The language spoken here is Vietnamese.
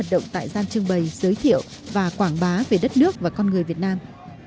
đây là quảng bá về đất nước và con người việt nam